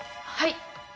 はい！